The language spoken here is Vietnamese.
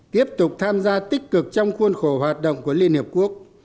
tiếp tục tham gia tích cực trong khuôn khổ hoạt động của liên hiệp quốc